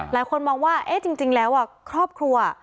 หลายคนมองว่าเอ๊ะจริงจริงแล้วอ่ะครอบครัวอ่ะ